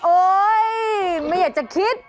โอ๊ยไม่อยากจะคิด